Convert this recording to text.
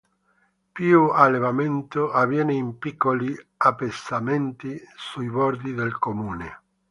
Più allevamento avviene in piccoli appezzamenti sui bordi del comune.